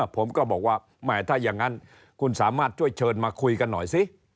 ผมก็บอกว่าแหมถ้าอย่างนั้นคุณสามารถช่วยเชิญมาคุยกันหน่อยสิ